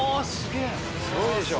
すごいでしょ？